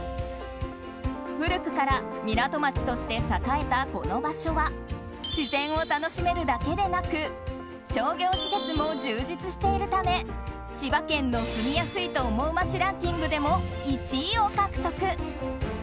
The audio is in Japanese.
古くから港町として栄えたこの場所は自然を楽しめるだけでなく商業施設も充実しているため千葉県の住みやすいと思う街ランキングでも１位を獲得。